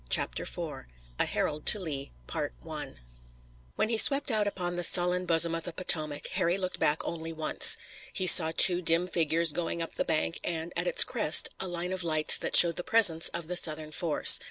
CHAPTER IV A HERALD TO LEE When he swept out upon the sullen bosom of the Potomac, Harry looked back only once. He saw two dim figures going up the bank, and, at its crest, a line of lights that showed the presence of the Southern force.